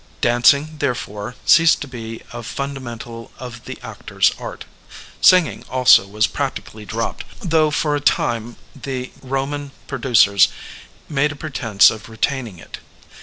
Dancing, therefore, ceased to be a fun damental of the actor's art. Singing also was prac tically dropped, though for a time the Boman pro ducers made a pretense of retaining it.